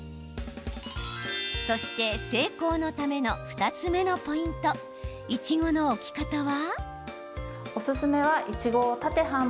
そして、成功のための２つ目のポイントいちごの置き方は。